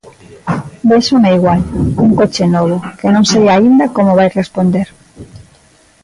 Véxome igual, cun coche novo, que non sei aínda como vai responder.